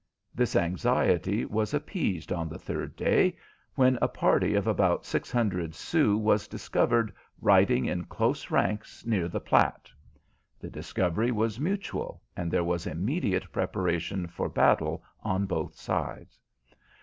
This anxiety was appeased on the third day, when a party of about six hundred Sioux was discovered riding in close ranks near the Platte. The discovery was mutual, and there was immediate preparation for battle on both sides.